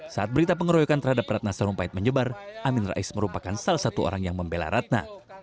saat berita pengeroyokan terhadap ratna sarumpait menyebar amin rais merupakan salah satu orang yang membela ratna